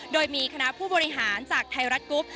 โดยมีคณะผู้บริหารจากไทยรัฐกรุ๊ป